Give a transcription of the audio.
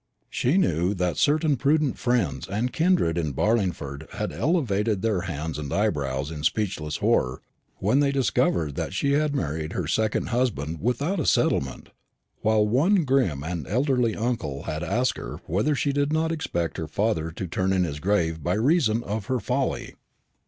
She knew that certain prudent friends and kindred in Barlingford had elevated their hands and eyebrows in speechless horror when they discovered that she had married her second husband without a settlement; while one grim and elderly uncle had asked her whether she did not expect her father to turn in his grave by reason of her folly.